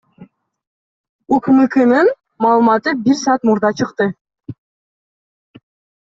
УКМКнын маалыматы бир саат мурда чыкты.